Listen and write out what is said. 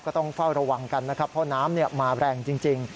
ต้องเฝ้าระวังกันนะครับเพราะน้ำมาแรงจริง